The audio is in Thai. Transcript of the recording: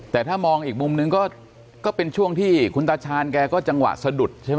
แต่ถ้ามองอีกมุมนึงก็เป็นช่วงที่คุณตาชาญแกก็จังหวะสะดุดใช่ไหม